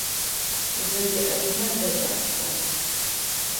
Узэдеӏэжьмэ зэкӏэ къыбдэхъущт.